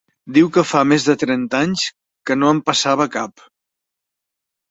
Diu que fa més de trenta anys que no en passava cap!